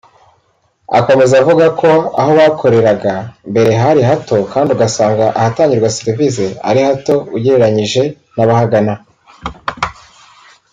Akomeza avuga ko aho bakoreraga mbere hari hato kandi ugasanga ahatangirwa serivise ari hato ugereranyije n’abahagana